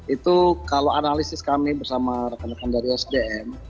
itu kalau analisis kami bersama rekan rekan dari sdm